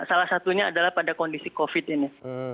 salah satunya adalah pada kondisi covid ini